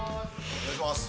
お願いします。